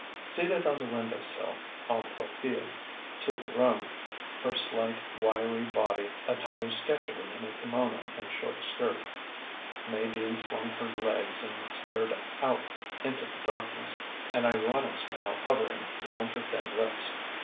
Seated on the window sill, en profile to the room, her slight, wiry body attired sketchily in a kimono and short skirt, May Dean swung her legs and stared out into the darkness, an ironic smile hovering round her thin lips.